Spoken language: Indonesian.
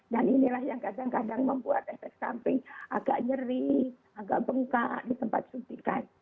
dan inilah yang kadang kadang membuat efek samping agak nyeri agak bengkak di tempat suntikan